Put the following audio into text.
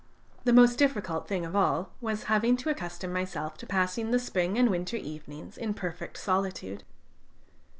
The most difficult thing of all was having to accustom myself to passing the spring and winter evenings in perfect solitude.